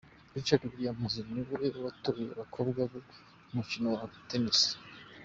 Richard Williams ni we watoje abakobwa be umukino wa Tennis.